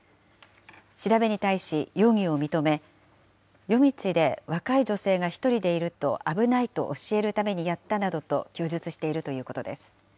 調べに対し容疑を認め、夜道で若い女性が１人でいると危ないと教えるためにやったなどと供述しているということです。